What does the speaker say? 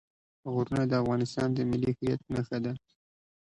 غرونه د افغانستان د ملي هویت نښه ده.